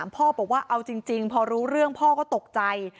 พ่อบอกว่าเอาจริงพอรู้เรื่องพ่อก็ตกใจ